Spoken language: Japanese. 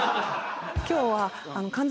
今日は。